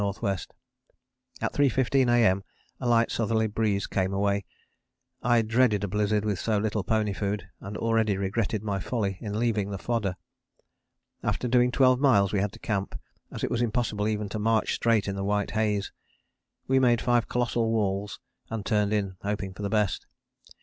W. At 3.15 A.M. a light S. breeze came away; I dreaded a blizzard with so little pony food, and already regretted my folly in leaving the fodder. After doing twelve miles we had to camp, as it was impossible even to march straight in the white haze. We made five colossal walls and turned in, hoping for the best.